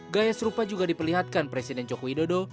gaya serupa juga diperlihatkan presiden jokowi dodo